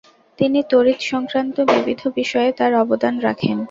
তিনি তড়িৎ সংক্রান্ত বিবিধ বিষয়ে তার অবদান রাখেন।